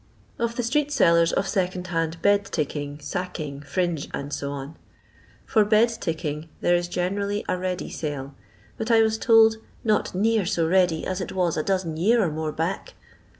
Of the Stseet Sbllebs op Skcond hand Bed TICKIKO, SaCKIHQ, FkIKOS, &C. PoK hed iicking there is generally a ready sale, but I was told "not near so ready as it was a dozen year or more back."